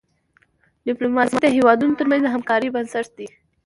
ډيپلوماسي د هیوادونو ترمنځ د همکاری بنسټ دی.